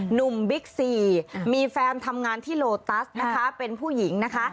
บิ๊กซีมีแฟนทำงานที่โลตัสนะคะเป็นผู้หญิงนะคะ